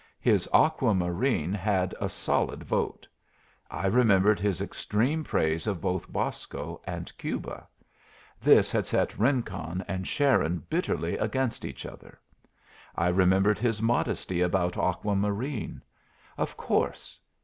His Aqua Marine had a solid vote. I remembered his extreme praise of both Bosco and Cuba. This had set Rincon and Sharon bitterly against each other. I remembered his modesty about Aqua Marine. Of course.